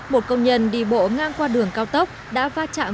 một công nhân đi bộ ngang qua đường cao tốc đã va chạm